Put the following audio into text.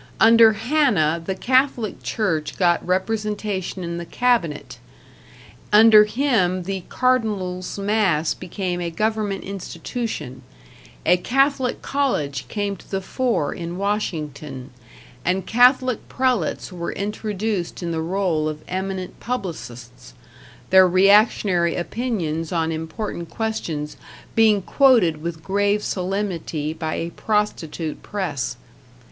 Under Hanna the Catholic Church got representation in the Cabinet; under him the Cardinal's Mass became a government institution, a Catholic College came to the fore in Washington, and Catholic prelates were introduced in the role of eminent publicists, their reactionary opinions on important questions being quoted with grave solemnity by a prostitute press.